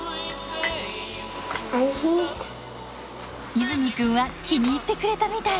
イズミくんは気に入ってくれたみたい！